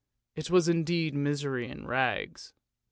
It was indeed misery in rags.